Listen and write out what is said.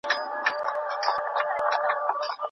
خلکو د خطر منلو هڅه کوله.